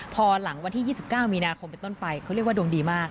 พอหลังวันที่๒๙มีนาคมเป็นต้นไปเขาเรียกว่าดวงดีมาก